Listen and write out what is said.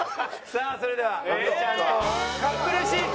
さあそれではあのちゃんとカップルシートへ。